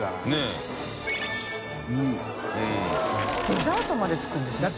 デザートまで付くんですね。